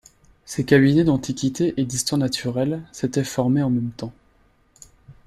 Ses cabinets d'antiquités et d'histoire naturelle s'étaient formés en même temps.